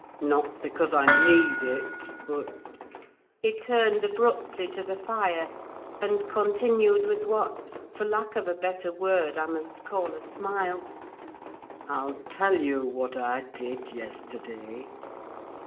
Not because I need it, but—" He turned abruptly to the fire, and continued, with what, for lack of a better word, I must call a smile—"I'll tell you what I did yesterday!